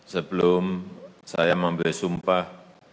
sebelum saya membeli sumpah